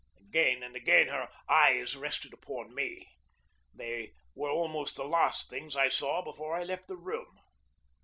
Again and again her eyes rested upon me. They were almost the last things I saw before I left the room.